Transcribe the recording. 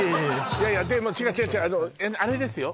いやいや違う違う違うあれですよ